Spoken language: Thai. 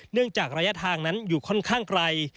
จากระยะทางนั้นอยู่ค่อนข้างไกล